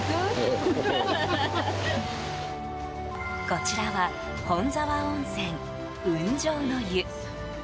こちらは本沢温泉雲上の湯。